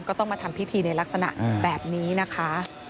ก็ต้องมาทำพิธีในลักษณะแบบนี้นะคะ